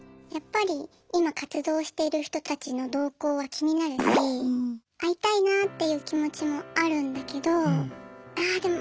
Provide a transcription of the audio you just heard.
やっぱりいま活動している人たちの動向は気になるし会いたいなっていう気持ちもあるんだけどああ